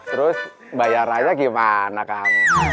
terus bayarannya gimana kak